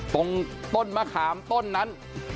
ตรงต้นมะขามต้นนั้น